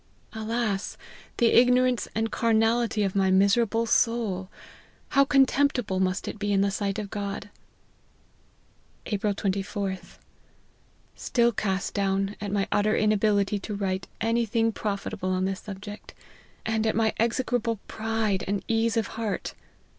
Alas ! the ignorance and carnality of my miserable soul ! how contemptible must it be in the sight of God !"" Jlpril %4:th. Still cast down at my utter ina bility to write anything profitable on this subject; and at my execrable pride and ease of heart.